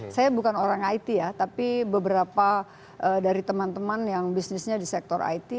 saya bukan orang it ya tapi beberapa dari teman teman yang bisnisnya di sektor it